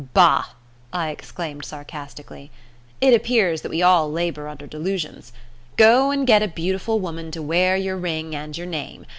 "Bah!" I exclaimed sarcastically. "It appears that we all labour under delusions. Go and get a beautiful woman to wear your ring and your name.